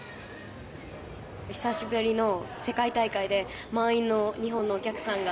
久しぶりの世界大会で満員の日本のお客さんが